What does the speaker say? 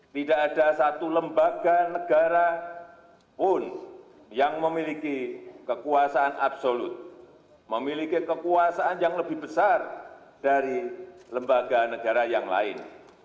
tidak ada satu lembaga negara pun yang memiliki kekuasaan absolut memiliki kekuasaan yang lebih besar dari lembaga negara yang lain